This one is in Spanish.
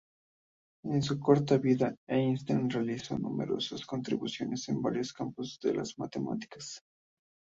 En su corta vida, Eisenstein realizó numerosas contribuciones en varios campos de las matemáticas.